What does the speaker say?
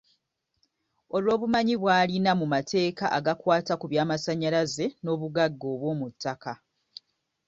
Olw’obumanyi bw’alina mu mateeka agakwata ku byamasannyalaze n’obugagga obw’omu ttaka.